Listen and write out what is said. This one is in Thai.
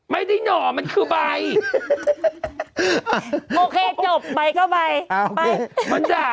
ไม่ได้หน่อมันคือใบโอเคจบใบก็ใบอ่าไปมันด่า